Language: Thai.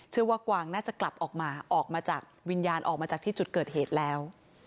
กวางน่าจะกลับออกมาออกมาจากวิญญาณออกมาจากที่จุดเกิดเหตุแล้ว